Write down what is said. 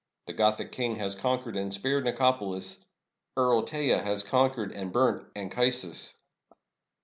The Gothic king has conquered and spared Nicopolis. Earl Teja has conquered and burnt Anchi sus.